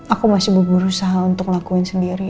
aku masih berusaha untuk ngelakuin sendiri